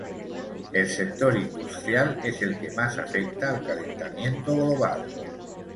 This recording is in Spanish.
El sector industrial es el que más afecta al calentamiento global.